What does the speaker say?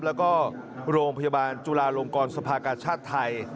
แล้วก็โรงพยาบาลจุลาลงกรสภากาชาติไทย